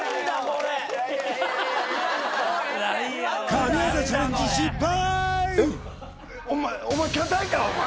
神業チャレンジ失敗！